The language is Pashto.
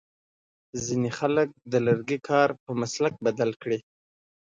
ځینې خلک د لرګي کار په مسلک بدل کړی.